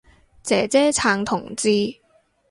姐姐撐同志